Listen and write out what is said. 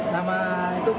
sama itu pak